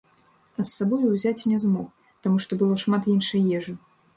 А з сабою ўзяць не змог, таму што было шмат іншай ежы.